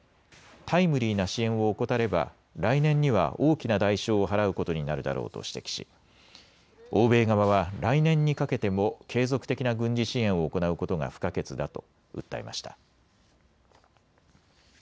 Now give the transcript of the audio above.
タイムリーな支援を怠れば来年には大きな代償を払うことになるだろうと指摘し欧米側は来年にかけても継続的な軍事支援を行うことが不可欠だと訴えました。